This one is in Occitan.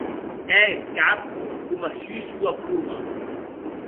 È eth cap coma sus ua ploma.